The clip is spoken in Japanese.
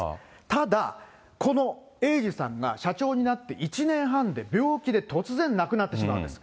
ただ、この英司さんが社長になって１年半で病気で突然亡くなってしまいます。